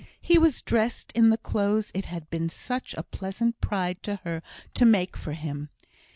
He was dressed in the clothes it had been such a pleasant pride to her to make for him.